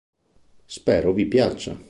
Spero vi piaccia.